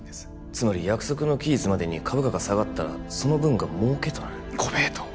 つまり約束の期日までに株価が下がったらその分が儲けとなるご名答